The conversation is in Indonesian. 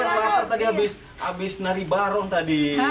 laper tadi habis nari barong tadi